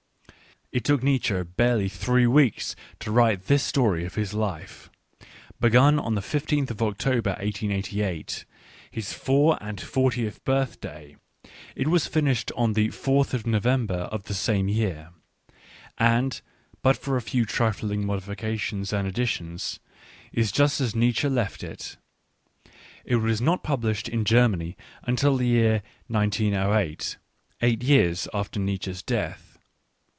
It took Nietzsche barely three weeks to write this story of his life. Begun on the 1 5 th of October 1 888, his four and fourtieth birthday, it was finished on the 4th of November of the same year, and, but for a few trifling modifications and additions, is just as Nietz sche left it. It was not published in Germany until the year 1908, eight years after Nietzsche's death.